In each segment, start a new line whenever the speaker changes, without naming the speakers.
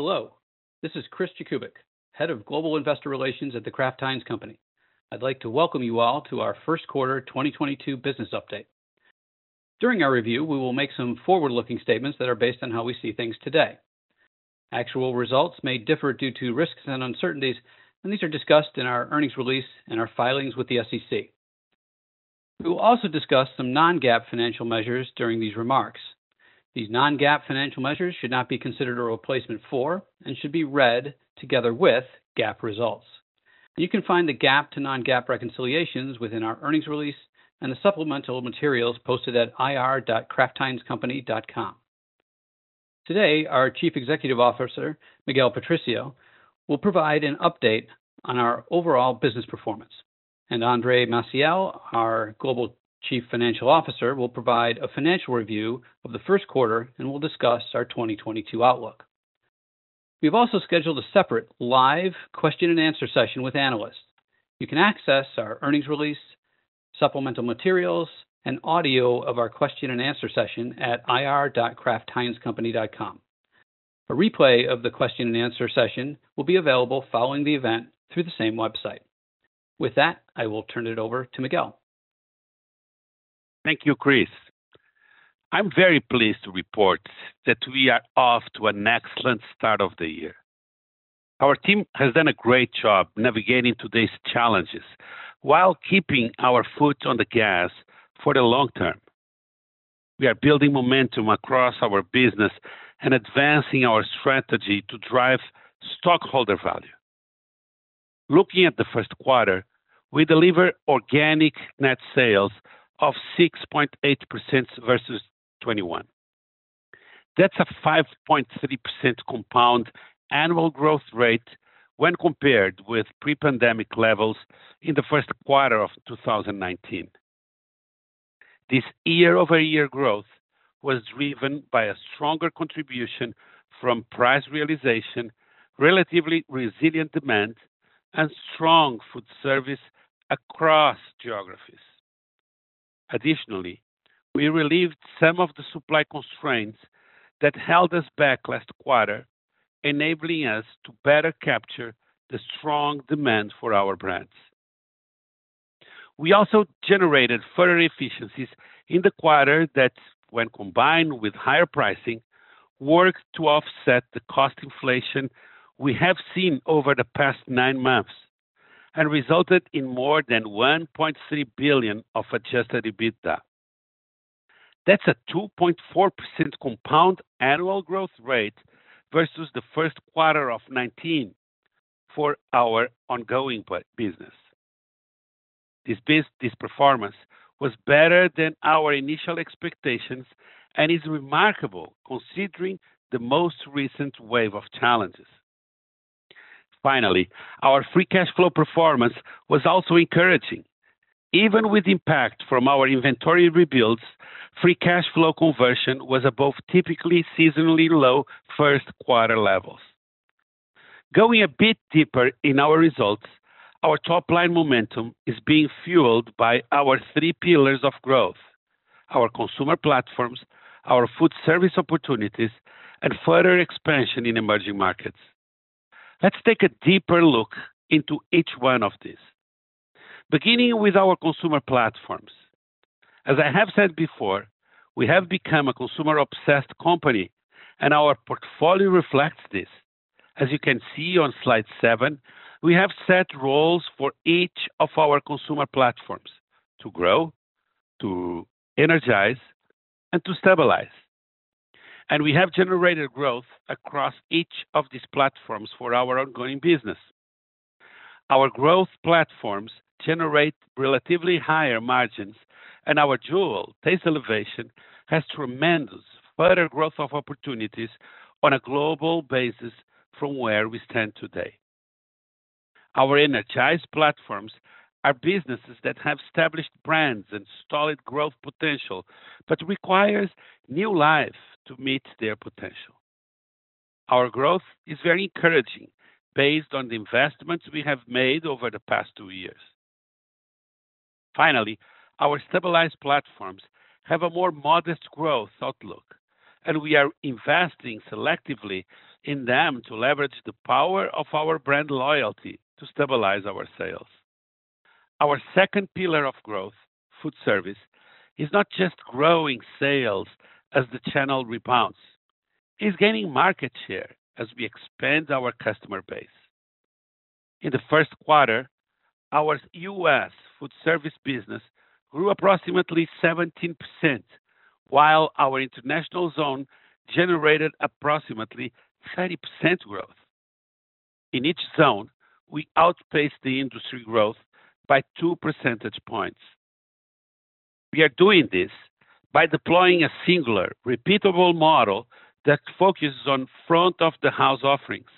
Hello, this is Chris Jakubik, Head of Global Investor Relations at The Kraft Heinz Company. I'd like to welcome you all to our first quarter 2022 business update. During our review, we will make some forward-looking statements that are based on how we see things today. Actual results may differ due to risks and uncertainties, and these are discussed in our earnings release and our filings with the SEC. We will also discuss some Non-GAAP financial measures during these remarks. These Non-GAAP financial measures should not be considered a replacement for and should be read together with GAAP results. You can find the GAAP to Non-GAAP reconciliations within our earnings release and the supplemental materials posted at ir.kraftheinzcompany.com. Today, our Chief Executive Officer, Miguel Patricio, will provide an update on our overall business performance, and Andre Maciel, our Global Chief Financial Officer, will provide a financial review of the first quarter and will discuss our 2022 outlook. We've also scheduled a separate live question and answer session with analysts. You can access our earnings release, supplemental materials, and audio of our question and answer session at ir.kraftheinzcompany.com. A replay of the question and answer session will be available following the event through the same website. With that, I will turn it over to Miguel.
Thank you, Chris. I'm very pleased to report that we are off to an excellent start of the year. Our team has done a great job navigating today's challenges while keeping our foot on the gas for the long term. We are building momentum across our business and advancing our strategy to drive stockholder value. Looking at the first quarter, we delivered Organic Net Sales of 6.8% versus 21%. That's a 5.3% compound annual growth rate when compared with pre-pandemic levels in the first quarter of 2019. This year-over-year growth was driven by a stronger contribution from price realization, relatively resilient demand, and strong food service across geographies. Additionally, we relieved some of the supply constraints that held us back last quarter, enabling us to better capture the strong demand for our brands. We also generated further efficiencies in the quarter that, when combined with higher pricing, worked to offset the cost inflation we have seen over the past nine months and resulted in more than $1.3 billion of Adjusted EBITDA. That's a 2.4% compound annual growth rate versus the first quarter of 2019 for our ongoing business. This performance was better than our initial expectations and is remarkable considering the most recent wave of challenges. Finally, our free cash flow performance was also encouraging. Even with impact from our inventory rebuilds, free cash flow conversion was above typically seasonally low first quarter levels. Going a bit deeper in our results, our top-line momentum is being fueled by our three pillars of growth: our consumer platforms, our food service opportunities, and further expansion in emerging markets. Let's take a deeper look into each one of these. Beginning with our consumer platforms. As I have said before, we have become a consumer-obsessed company, and our portfolio reflects this. As you can see on slide 7, we have set roles for each of our consumer platforms to grow, to energize, and to stabilize. We have generated growth across each of these platforms for our ongoing business. Our growth platforms generate relatively higher margins, and our jewel, taste elevation, has tremendous further growth of opportunities on a global basis from where we stand today. Our energized platforms are businesses that have established brands and solid growth potential, but requires new life to meet their potential. Our growth is very encouraging based on the investments we have made over the past 2 years. Finally, our stabilized platforms have a more modest growth outlook, and we are investing selectively in them to leverage the power of our brand loyalty to stabilize our sales. Our second pillar of growth, food service, is not just growing sales as the channel rebounds, it's gaining market share as we expand our customer base. In the first quarter, our U.S. food service business grew approximately 17%, while our international zone generated approximately 30% growth. In each zone, we outpaced the industry growth by two percentage points. We are doing this by deploying a singular, repeatable model that focuses on front of the house offerings,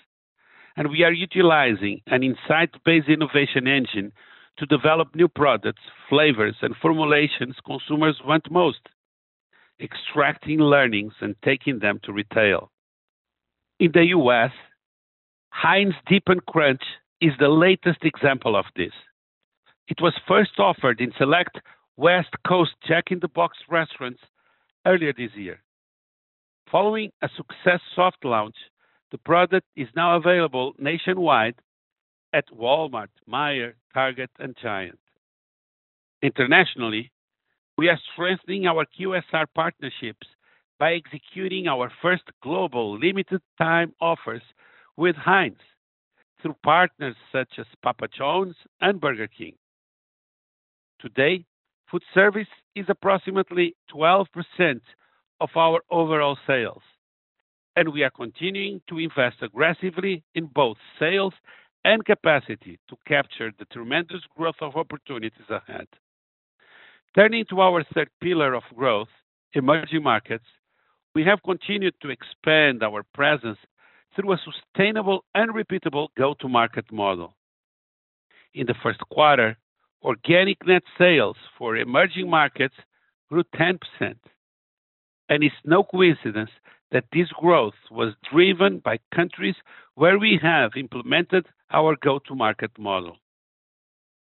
and we are utilizing an insight-based innovation engine to develop new products, flavors, and formulations consumers want most, extracting learnings and taking them to retail. In the U.S., Heinz Dip & Crunch is the latest example of this. It was first offered in select West Coast Jack in the Box restaurants earlier this year. Following a successful soft launch, the product is now available nationwide at Walmart, Meijer, Target, and Giant. Internationally, we are strengthening our QSR partnerships by executing our first global limited time offers with Heinz through partners such as Papa John's and Burger King. Today, food service is approximately 12% of our overall sales, and we are continuing to invest aggressively in both sales and capacity to capture the tremendous growth of opportunities ahead. Turning to our third pillar of growth, emerging markets, we have continued to expand our presence through a sustainable and repeatable go-to-market model. In the first quarter, Organic Net Sales for emerging markets grew 10%, and it's no coincidence that this growth was driven by countries where we have implemented our go-to-market model.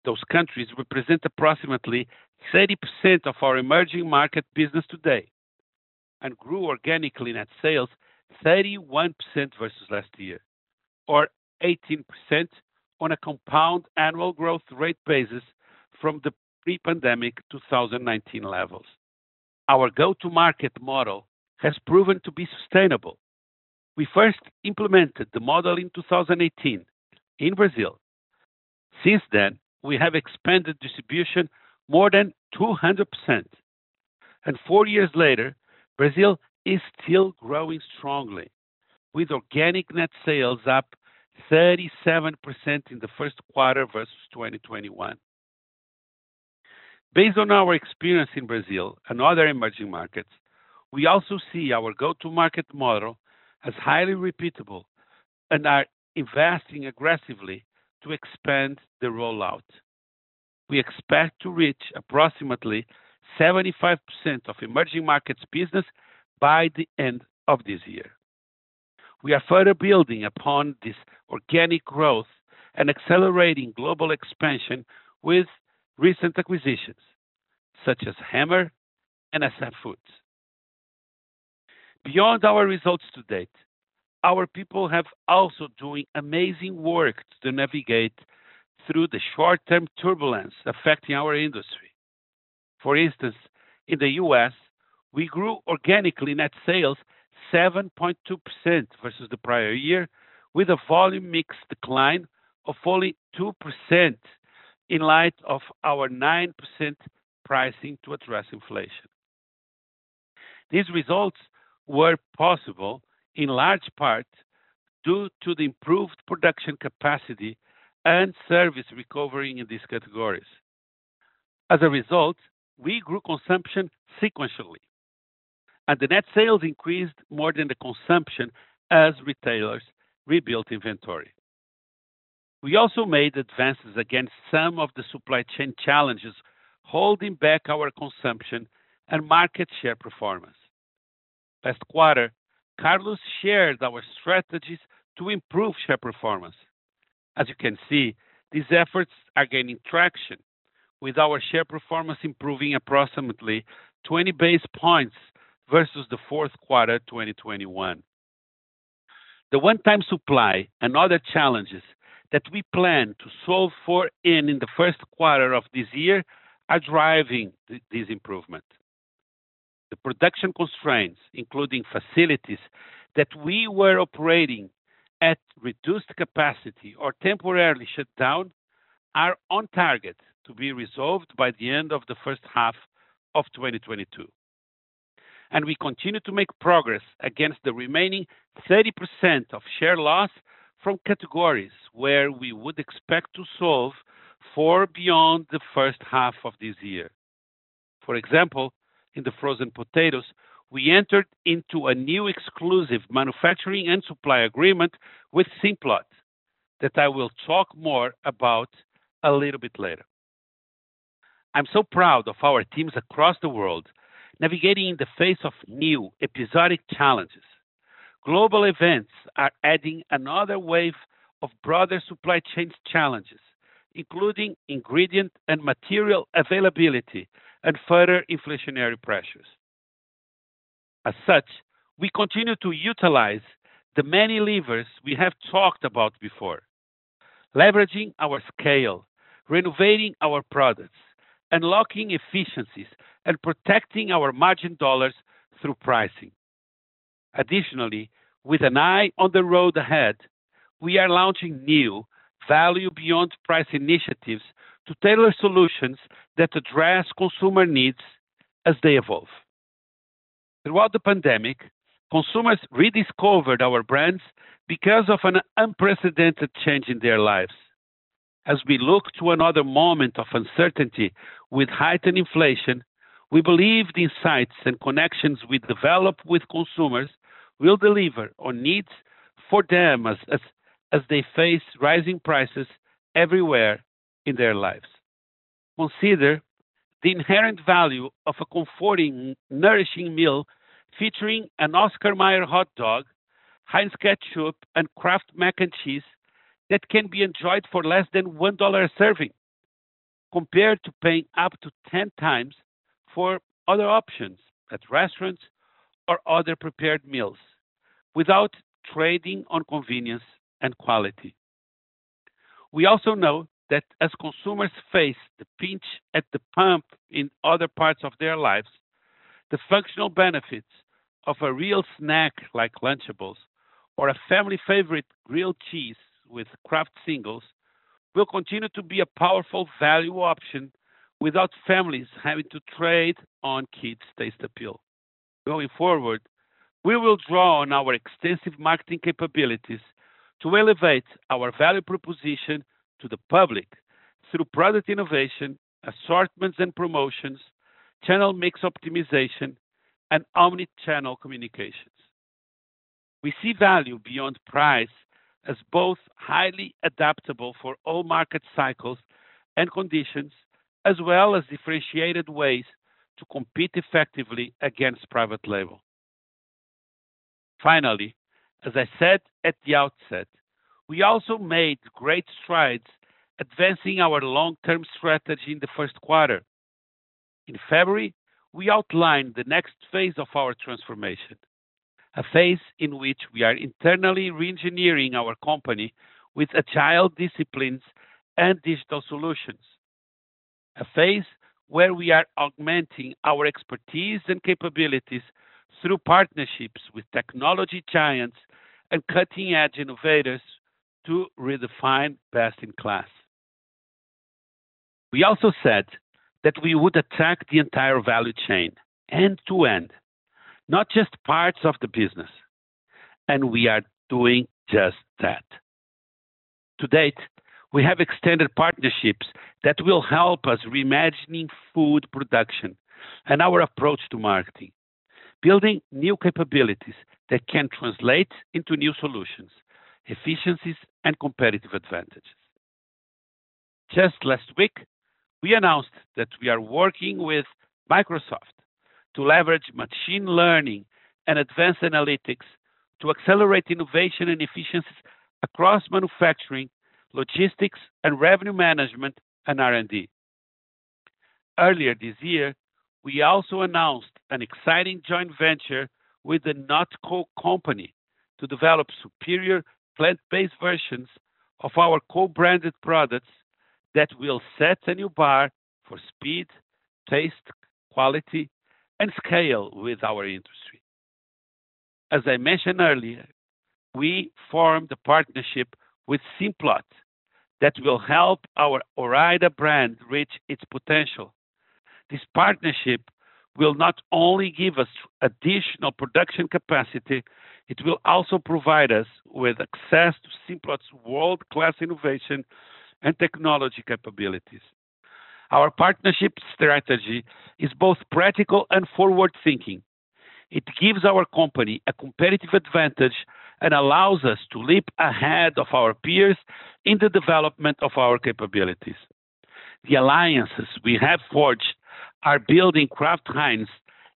Those countries represent approximately 30% of our emerging market business today and grew Organic Net Sales 31% versus last year or 18% on a compound annual growth rate basis from the pre-pandemic 2019 levels. Our go-to-market model has proven to be sustainable. We first implemented the model in 2018 in Brazil. Since then, we have expanded distribution more than 200% and four years later, Brazil is still growing strongly with Organic Net Sales up 37% in the first quarter versus 2021. Based on our experience in Brazil and other emerging markets, we also see our go-to-market model as highly repeatable and are investing aggressively to expand the rollout. We expect to reach approximately 75% of emerging markets business by the end of this year. We are further building upon this organic growth and accelerating global expansion with recent acquisitions such as Hemmer and Assan Foods. Beyond our results to date, our people have also doing amazing work to navigate through the short-term turbulence affecting our industry. For instance, in the U.S., we grew organic net sales 7.2% versus the prior year with a volume mix decline of only 2% in light of our 9% pricing to address inflation. These results were possible in large part due to the improved production capacity and service recovery in these categories. As a result, we grew consumption sequentially, and the net sales increased more than the consumption as retailers rebuilt inventory. We also made advances against some of the supply chain challenges, holding back our consumption and market share performance. Last quarter, Carlos shared our strategies to improve share performance. As you can see, these efforts are gaining traction with our share performance improving approximately 20 basis points versus the fourth quarter 2021. The one-time supply and other challenges that we plan to solve for in the first quarter of this year are driving this improvement. The production constraints, including facilities that we were operating at reduced capacity or temporarily shut down, are on target to be resolved by the end of the first half of 2022. We continue to make progress against the remaining 30% of share loss from categories where we would expect to solve for beyond the first half of this year. For example, in the frozen potatoes, we entered into a new exclusive manufacturing and supply agreement with Simplot that I will talk more about a little bit later. I'm so proud of our teams across the world navigating in the face of new episodic challenges. Global events are adding another wave of broader supply chain challenges, including ingredient and material availability and further inflationary pressures. As such, we continue to utilize the many levers we have talked about before, leveraging our scale, renovating our products, unlocking efficiencies, and protecting our margin dollars through pricing. Additionally, with an eye on the road ahead, we are launching new value beyond price initiatives to tailor solutions that address consumer needs as they evolve. Throughout the pandemic, consumers rediscovered our brands because of an unprecedented change in their lives. As we look to another moment of uncertainty with heightened inflation, we believe these sites and connections we develop with consumers will deliver on needs for them as they face rising prices everywhere in their lives. Consider the inherent value of a comforting, nourishing meal featuring an Oscar Mayer hot dog, Heinz Ketchup, and Kraft Mac & Cheese that can be enjoyed for less than $1 a serving, compared to paying up to 10 times for other options at restaurants or other prepared meals without trading on convenience and quality. We also know that as consumers face the pinch at the pump in other parts of their lives, the functional benefits of a real snack like Lunchables or a family favorite grilled cheese with Kraft Singles will continue to be a powerful value option without families having to trade on kids' taste appeal. Going forward, we will draw on our extensive marketing capabilities to elevate our value proposition to the public through product innovation, assortments and promotions, channel mix optimization, and omni-channel communications. We see value beyond price as both highly adaptable for all market cycles and conditions as well as differentiated ways to compete effectively against private label. Finally, as I said at the outset, we also made great strides advancing our long-term strategy in the first quarter. In February, we outlined the next phase of our transformation, a phase in which we are internally re-engineering our company with agile disciplines and digital solutions. A phase where we are augmenting our expertise and capabilities through partnerships with technology giants and cutting-edge innovators to redefine best in class. We also said that we would attack the entire value chain end to end, not just parts of the business, and we are doing just that. To date, we have extended partnerships that will help us reimagining food production and our approach to marketing, building new capabilities that can translate into new solutions, efficiencies, and competitive advantages. Just last week, we announced that we are working with Microsoft to leverage machine learning and advanced analytics to accelerate innovation and efficiencies across manufacturing, logistics, and revenue management and R&D. Earlier this year, we also announced an exciting joint venture with the NotCo company to develop superior plant-based versions of our co-branded products that will set a new bar for speed, taste, quality, and scale with our industry. As I mentioned earlier, we formed a partnership with Simplot that will help our Ore-Ida brand reach its potential. This partnership will not only give us additional production capacity, it will also provide us with access to Simplot's world-class innovation and technology capabilities. Our partnership strategy is both practical and forward-thinking. It gives our company a competitive advantage and allows us to leap ahead of our peers in the development of our capabilities. The alliances we have forged are building Kraft Heinz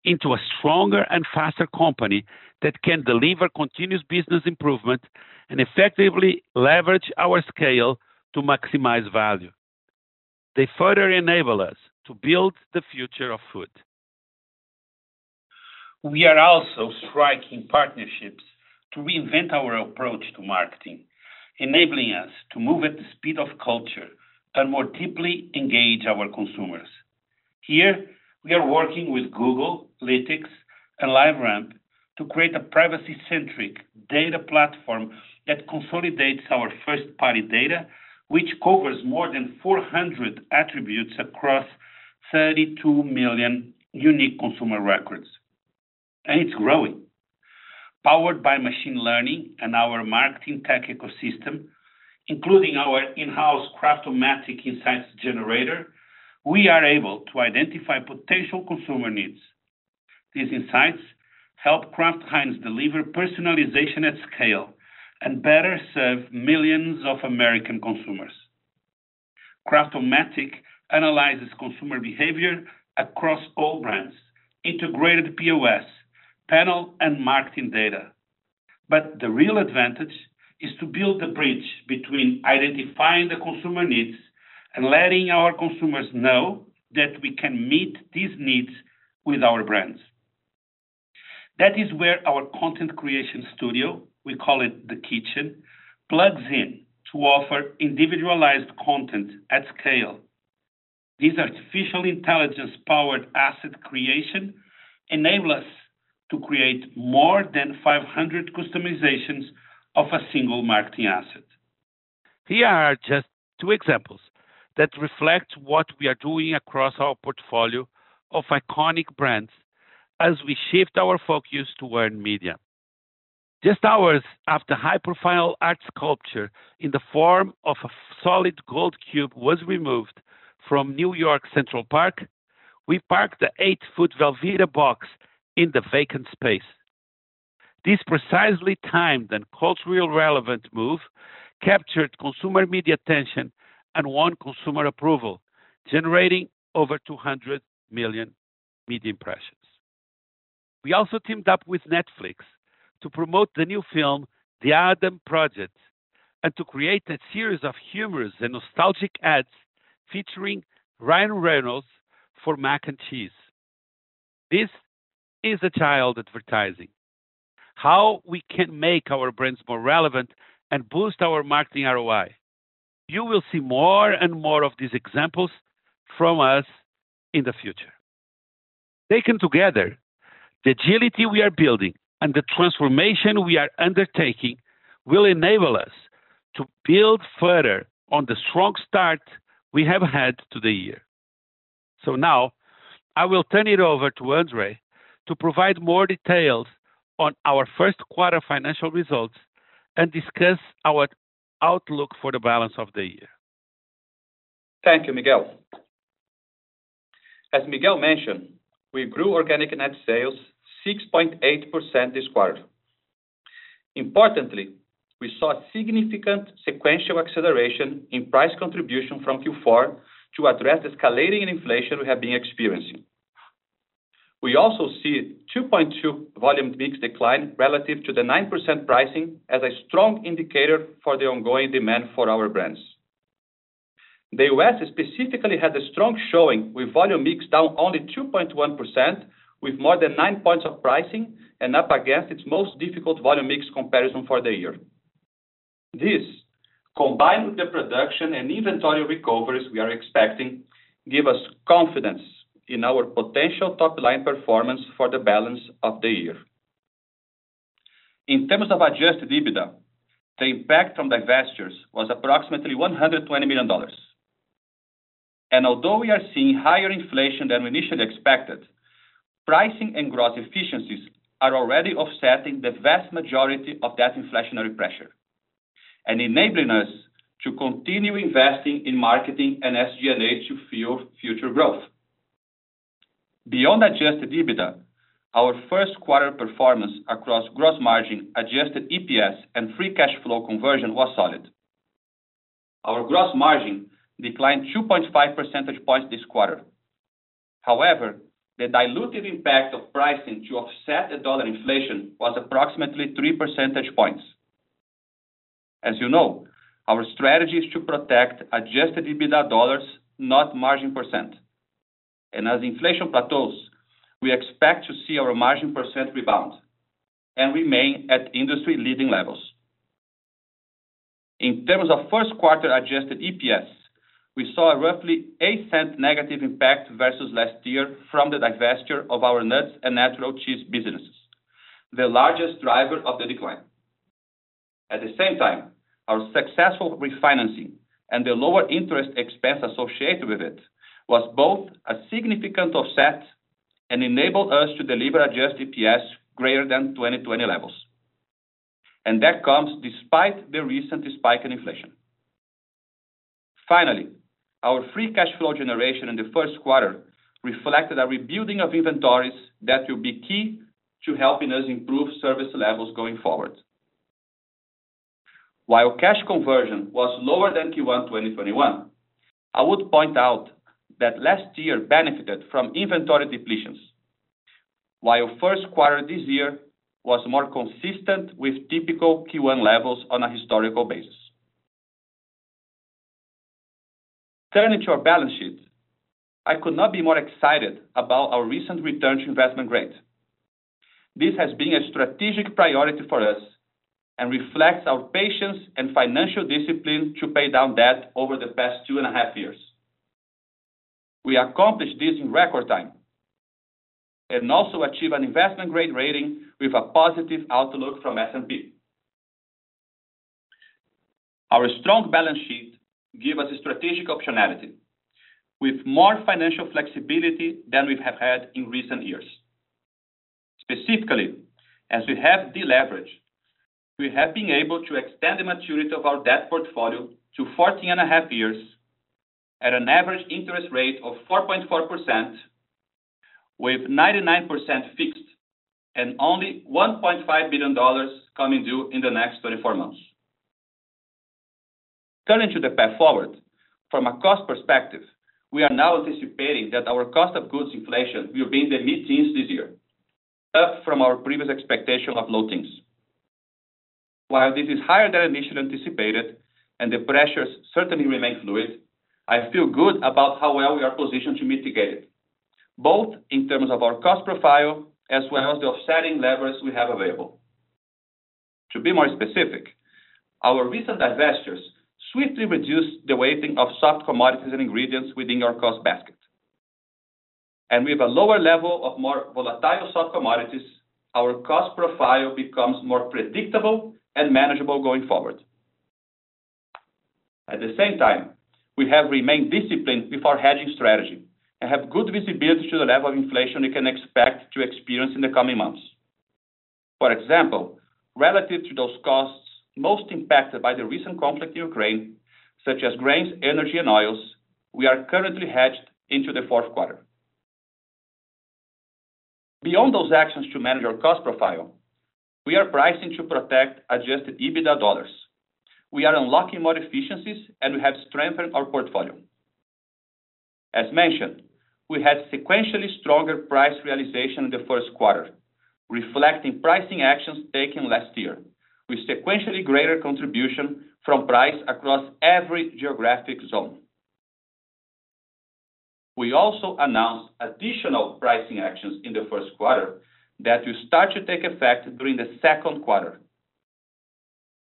into a stronger and faster company that can deliver continuous business improvement and effectively leverage our scale to maximize value. They further enable us to build the future of food. We are also striking partnerships to reinvent our approach to marketing, enabling us to move at the speed of culture and more deeply engage our consumers. Here we are working with Google, Lytics, and LiveRamp to create a privacy-centric data platform that consolidates our first-party data, which covers more than 400 attributes across 32 million unique consumer records, and it's growing. Powered by machine learning and our marketing tech ecosystem, including our in-house Kraft-O-Matic insights generator, we are able to identify potential consumer needs. These insights help Kraft Heinz deliver personalization at scale and better serve millions of American consumers. Kraft-O-Matic analyzes consumer behavior across all brands, integrated POS, panel, and marketing data. The real advantage is to build a bridge between identifying the consumer needs and letting our consumers know that we can meet these needs with our brands. That is where our content creation studio, we call it The Kitchen, plugs in to offer individualized content at scale. These artificial intelligence-powered asset creation enable us to create more than 500 customizations of a single marketing asset. Here are just two examples that reflect what we are doing across our portfolio of iconic brands as we shift our focus to earned media. Just hours after high-profile art sculpture in the form of a solid gold cube was removed from New York's Central Park, we parked the 8-foot Velveeta box in the vacant space. This precisely timed and culturally relevant move captured consumer media attention and won consumer approval, generating over 200 million media impressions. We also teamed up with Netflix to promote the new film, The Adam Project, and to create a series of humorous and nostalgic ads featuring Ryan Reynolds for mac and cheese. This is a child advertising. How we can make our brands more relevant and boost our marketing ROI. You will see more and more of these examples from us in the future. Taken together, the agility we are building and the transformation we are undertaking will enable us to build further on the strong start we have had to the year. Now, I will turn it over to Andre to provide more details on our first quarter financial results and discuss our outlook for the balance of the year.
Thank you, Miguel. As Miguel mentioned, we grew organic net sales 6.8% this quarter. Importantly, we saw significant sequential acceleration in price contribution from Q4. To address escalating inflation we have been experiencing. We also see 2.2 volume mix decline relative to the 9% pricing as a strong indicator for the ongoing demand for our brands. The U.S. specifically had a strong showing with volume mix down only 2.1% with more than nine points of pricing and up against its most difficult volume mix comparison for the year. This, combined with the production and inventory recoveries we are expecting, give us confidence in our potential top-line performance for the balance of the year. In terms of Adjusted EBITDA, the impact from divestitures was approximately $120 million. Although we are seeing higher inflation than we initially expected, pricing and growth efficiencies are already offsetting the vast majority of that inflationary pressure and enabling us to continue investing in marketing and SG&A to fuel future growth. Beyond Adjusted EBITDA, our first quarter performance across gross margin, Adjusted EPS, and free cash flow conversion was solid. Our gross margin declined 2.5 percentage points this quarter. However, the dilutive impact of pricing to offset the dollar inflation was approximately three percentage points. As you know, our strategy is to protect Adjusted EBITDA dollars, not margin percent. As inflation plateaus, we expect to see our margin percent rebound and remain at industry-leading levels. In terms of first quarter Adjusted EPS, we saw a roughly $0.08 negative impact versus last year from the divestiture of our nuts and natural cheese businesses, the largest driver of the decline. At the same time, our successful refinancing and the lower interest expense associated with it was both a significant offset and enabled us to deliver Adjusted EPS greater than 2020 levels. That comes despite the recent spike in inflation. Finally, our free cash flow generation in the first quarter reflected a rebuilding of inventories that will be key to helping us improve service levels going forward. While cash conversion was lower than Q1 2021, I would point out that last year benefited from inventory depletions, while first quarter this year was more consistent with typical Q1 levels on a historical basis. Turning to our balance sheet, I could not be more excited about our recent return to investment grade. This has been a strategic priority for us and reflects our patience and financial discipline to pay down debt over the past 2.5 years. We accomplished this in record time and also achieve an investment-grade rating with a positive outlook from S&P. Our strong balance sheet give us strategic optionality with more financial flexibility than we have had in recent years. Specifically, as we have deleveraged, we have been able to extend the maturity of our debt portfolio to 14.5 years at an average interest rate of 4.4% with 99% fixed and only $1.5 billion coming due in the next 34 months. Turning to the path forward, from a cost perspective, we are now anticipating that our cost of goods inflation will be in the mid-teens this year, up from our previous expectation of low teens. While this is higher than initially anticipated and the pressures certainly remain fluid, I feel good about how well we are positioned to mitigate it, both in terms of our cost profile as well as the offsetting levers we have available. To be more specific, our recent divestitures swiftly reduced the weighting of soft commodities and ingredients within our cost basket. With a lower level of more volatile soft commodities, our cost profile becomes more predictable and manageable going forward. At the same time, we have remained disciplined with our hedging strategy and have good visibility to the level of inflation we can expect to experience in the coming months. For example, relative to those costs most impacted by the recent conflict in Ukraine, such as grains, energy, and oils, we are currently hedged into the fourth quarter. Beyond those actions to manage our cost profile, we are pricing to protect Adjusted EBITDA dollars. We are unlocking more efficiencies, and we have strengthened our portfolio. As mentioned, we had sequentially stronger price realization in the first quarter, reflecting pricing actions taken last year, with sequentially greater contribution from price across every geographic zone. We also announced additional pricing actions in the first quarter that will start to take effect during the second quarter,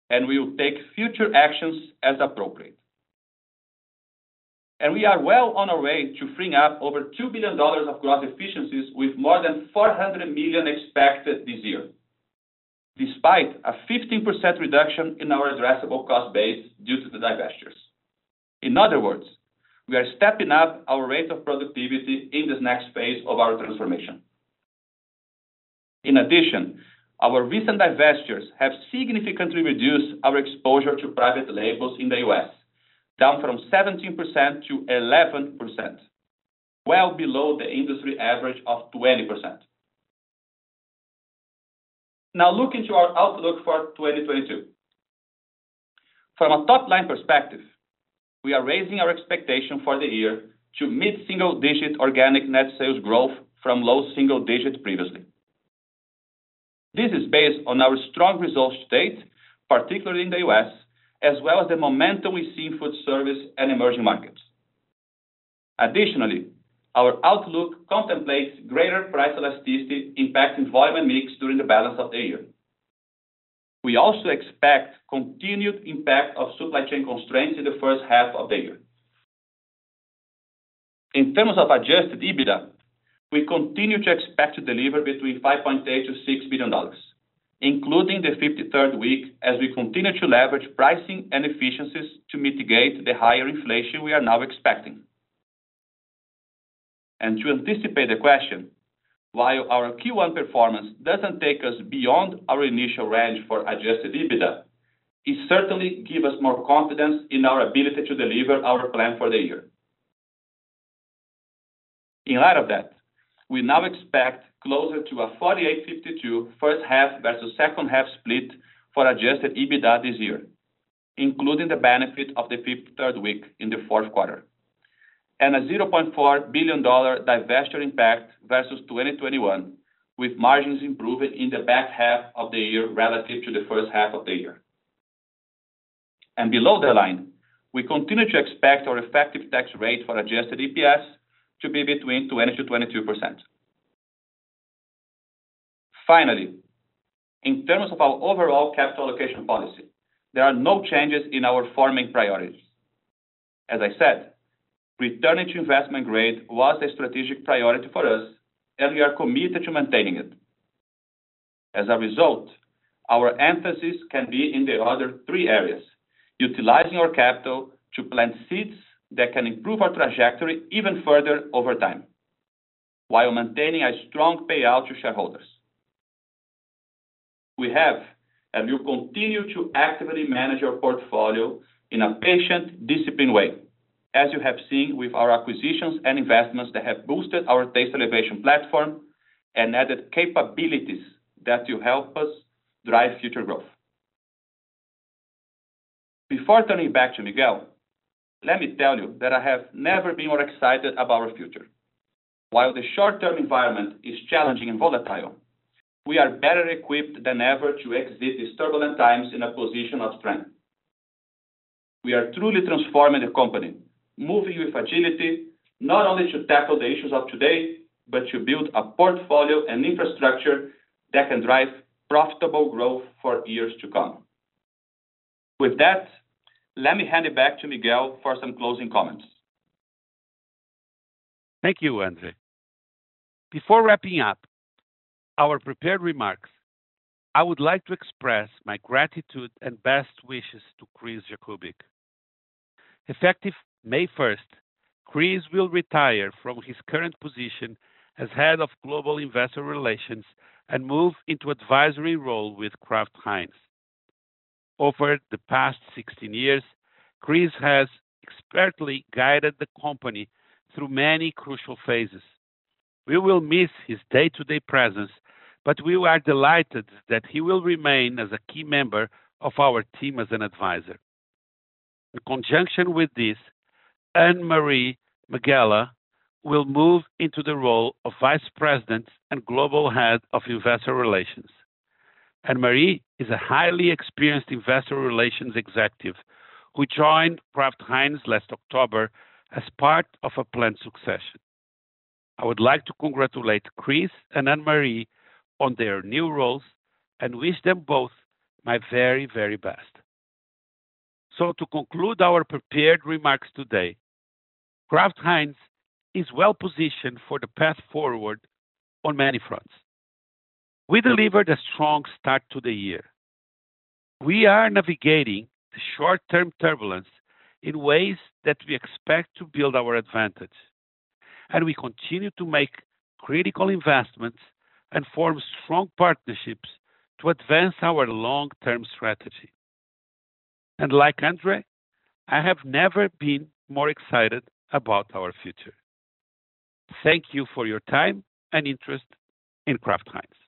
and we will take future actions as appropriate. We are well on our way to freeing up over $2 billion of gross efficiencies with more than $400 million expected this year, despite a 15% reduction in our addressable cost base due to the divestitures. In other words, we are stepping up our rate of productivity in this next phase of our transformation. In addition, our recent divestitures have significantly reduced our exposure to private labels in the U.S., down from 17% to 11%, well below the industry average of 20%. Now looking to our outlook for 2022. From a top-line perspective, we are raising our expectation for the year to mid-single digit organic net sales growth from low single digits previously. This is based on our strong results to date, particularly in the U.S., as well as the momentum we see in food service and emerging markets. Additionally, our outlook contemplates greater price elasticity impacting volume and mix during the balance of the year. We also expect continued impact of supply chain constraints in the first half of the year. In terms of Adjusted EBITDA, we continue to expect to deliver between $5.8 billion-$6 billion, including the 53rd week as we continue to leverage pricing and efficiencies to mitigate the higher inflation we are now expecting. To anticipate the question, while our Q1 performance doesn't take us beyond our initial range for Adjusted EBITDA, it certainly give us more confidence in our ability to deliver our plan for the year. In light of that, we now expect closer to a 48-52 first half versus second half split for Adjusted EBITDA this year, including the benefit of the 53rd week in the fourth quarter, and a $0.4 billion divestiture impact versus 2021, with margins improving in the back half of the year relative to the first half of the year. Below the line, we continue to expect our effective tax rate for Adjusted EPS to be between 20%-22%. Finally, in terms of our overall capital allocation policy, there are no changes in our funding priorities. As I said, investment grade was a strategic priority for us, and we are committed to maintaining it. As a result, our emphasis can be in the other three areas, utilizing our capital to plant seeds that can improve our trajectory even further over time while maintaining a strong payout to shareholders. We have and will continue to actively manage our portfolio in a patient, disciplined way, as you have seen with our acquisitions and investments that have boosted our taste elevation platform and added capabilities that will help us drive future growth. Before turning back to Miguel, let me tell you that I have never been more excited about our future. While the short-term environment is challenging and volatile, we are better equipped than ever to exit these turbulent times in a position of strength. We are truly transforming the company, moving with agility, not only to tackle the issues of today, but to build a portfolio and infrastructure that can drive profitable growth for years to come. With that, let me hand it back to Miguel for some closing comments.
Thank you, Andre. Before wrapping up our prepared remarks, I would like to express my gratitude and best wishes to Chris Jakubik. Effective May first, Chris will retire from his current position as Head of Global Investor Relations and move into an advisory role with Kraft Heinz. Over the past 16 years, Chris has expertly guided the company through many crucial phases. We will miss his day-to-day presence, but we are delighted that he will remain as a key member of our team as an advisor. In conjunction with this, Anne-Marie Megela will move into the role of Vice President and Global Head of Investor Relations. Anne-Marie is a highly experienced investor relations executive who joined Kraft Heinz last October as part of a planned succession. I would like to congratulate Chris and Anne-Marie on their new roles and wish them both my very, very best. To conclude our prepared remarks today, Kraft Heinz is well-positioned for the path forward on many fronts. We delivered a strong start to the year. We are navigating the short-term turbulence in ways that we expect to build our advantage, and we continue to make critical investments and form strong partnerships to advance our long-term strategy. Like Andre, I have never been more excited about our future. Thank you for your time and interest in Kraft Heinz.